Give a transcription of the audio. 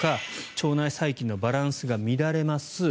腸内細菌のバランスが乱れます。